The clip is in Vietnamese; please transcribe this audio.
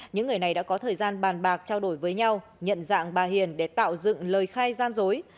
những người này đã có thời gian bàn bạc trao đổi với nhau nhận dạng bà hiền để tạo dựng lời khai gian dối